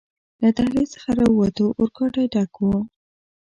له دهلېز څخه راووتو، اورګاډی ډک و.